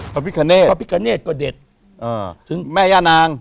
พระพิคเนธก็เด็ดถึงแม่ย่านาง